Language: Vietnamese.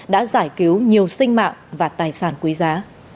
đã giải cứu nhiều sinh mạng và tài sản quý giá